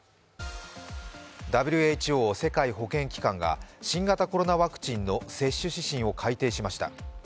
ＷＨＯ＝世界保健機関が新型コロナワクチンの接種指針を改定しました。